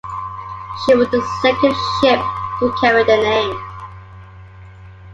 She was the second ship to carry the name.